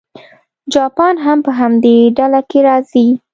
جاپان هم په همدې ډله کې راځي.